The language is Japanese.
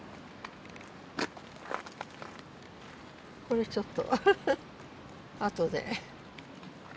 これちょっと後で。